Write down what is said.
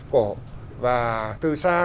cổ và từ xa